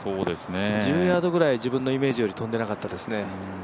１０ヤードぐらい、自分のイメージより飛んでなかったですね。